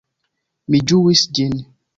Mi ĝuis ĝin.